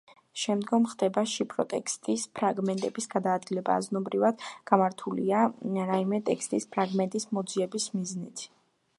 შემდგომ ხდება შიფროტექსტის ფრაგმენტების გადაადგილება აზრობრივად გამართული რაიმე ტექსტის ფრაგმენტის მოძიების მიზნით.